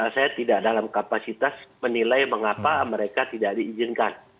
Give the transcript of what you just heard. saya tidak dalam kapasitas menilai mengapa mereka tidak diizinkan